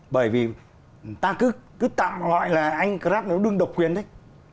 bởi vì ta cứ tạm gọi là anh grab đương độc quyền đấy